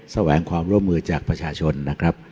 แสวงความร่วมมือจากประชาชนนะครับ